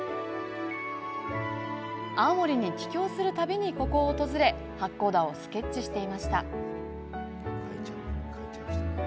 青森に帰郷する度に、ここを訪れ八甲田をスケッチしていました。